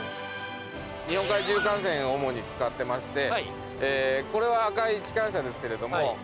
日本海縦貫線を主に使ってましてこれは赤い機関車ですけれども青いのとか。